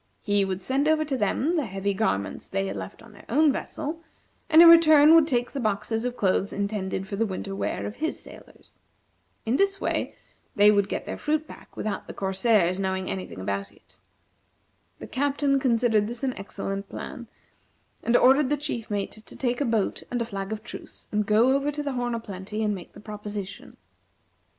He would send over to them the heavy garments they had left on their own vessel, and in return would take the boxes of clothes intended for the winter wear of his sailors. In this way, they would get their fruit back without the corsairs knowing any thing about it. The Captain considered this an excellent plan, and ordered the chief mate to take a boat and a flag of truce, and go over to the "Horn o' Plenty," and make the proposition.